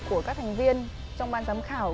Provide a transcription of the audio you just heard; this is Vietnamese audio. của các thành viên trong ban giám khảo